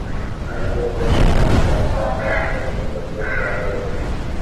Kuvimba kwa ini na bandama ni dalili za ugonjwa wa ndorobo